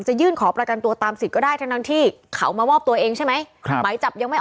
จะยื่นขอประกันตัวตามสิทธิ์ก็ได้ทั้งทั้งที่เขามาวอบตัวเองใช่ไหม